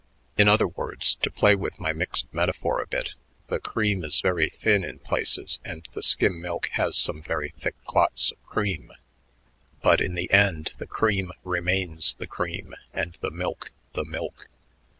In other words, to play with my mixed metaphor a bit, the cream is very thin in places and the skimmed milk has some very thick clots of cream, but in the end the cream remains the cream and the milk the milk.